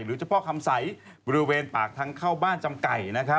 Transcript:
เจ้าพ่อคำใสบริเวณปากทางเข้าบ้านจำไก่